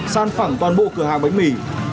san phẳng toàn bộ cửa hàng bánh mì